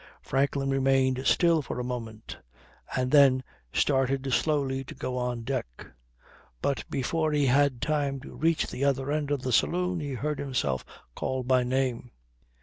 Franklin remained still for a moment and then started slowly to go on deck. But before he had time to reach the other end of the saloon he heard himself called by name.